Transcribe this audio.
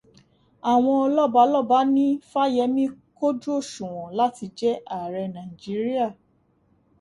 Àwọn lọ́balọ́ba ní Fáyẹmí kójú òṣùnwọ̀n láti jẹ ààrẹ Nàìjíríà.